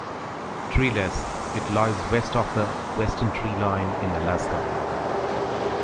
Treeless, it lies west of the western tree line in Alaska.